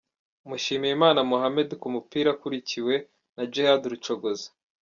Mushimiyimana Mohammed ku mupira akurikiwe na Djihad Rucogoza